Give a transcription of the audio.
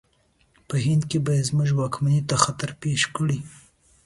په هند کې به زموږ واکمنۍ ته خطر پېښ کړي.